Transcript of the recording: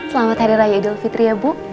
selamat hari raya idul fitri ya bu